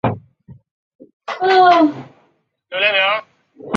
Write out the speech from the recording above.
东海大学卒业。